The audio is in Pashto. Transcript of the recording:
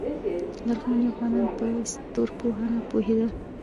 لرغوني افغانان په ستورپوهنه پوهیدل